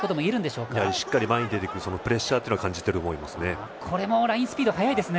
しっかり前に出てくるプレッシャーは感じていると思います。